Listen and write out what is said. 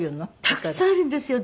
たくさんあるんですよ。